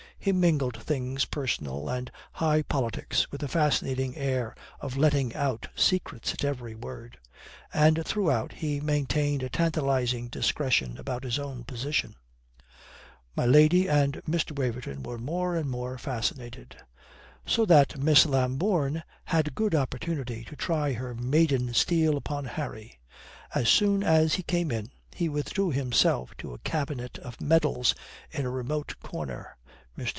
He mingled things personal and high politics with a fascinating air of letting out secrets at every word; and, throughout, he maintained a tantalizing discretion about his own position. My lady and Mr. Waverton were more and more fascinated. So that Miss Lambourne had good opportunity to try her maiden steel upon Harry. As soon as he came in, he withdrew himself to a cabinet of medals in a remote corner. Mr.